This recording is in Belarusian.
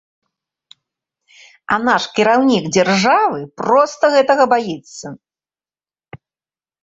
А наш кіраўнік дзяржавы проста гэтага баіцца.